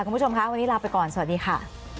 คุณผู้ชมค่ะวันนี้ลาไปก่อนสวัสดีค่ะ